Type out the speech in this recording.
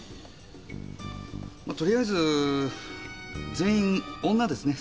とりあえず全員女ですね。